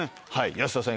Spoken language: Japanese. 安田さん